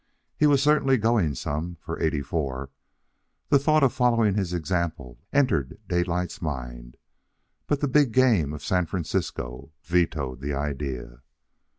He was certainly going some for eighty four. The thought of following his example entered Daylight's mind, but the big game of San Francisco vetoed the idea.